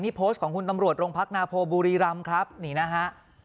นี่โพสต์ของคุณตำรวจโรงพักนาโพบุรีรำครับนี่นะฮะ